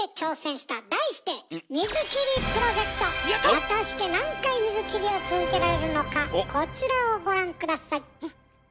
果たして何回水切りを続けられるのかこちらをご覧下さい。